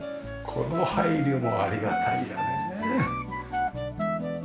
この配慮もありがたいよね。